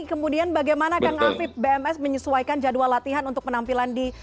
kemudian bagaimana kang afif bms menyesuaikan jadwal latihan untuk penampilan di